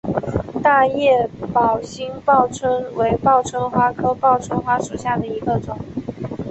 大叶宝兴报春为报春花科报春花属下的一个种。